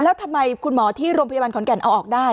แล้วทำไมคุณหมอที่โรงพยาบาลขอนแก่นเอาออกได้